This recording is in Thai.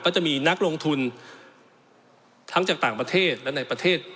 จะมีนักลงทุนทั้งจากต่างประเทศและในประเทศ